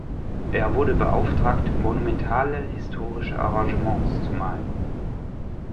Er wurde beauftragt, monumentale historische Arrangements zu malen.